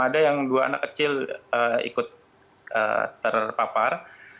ada yang dua anak kecil ikut terpapar